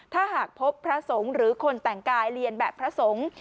ถ้าหากพบพระสงฆ์หรือคนแต่งกายเรียนแบบพระสงฆ์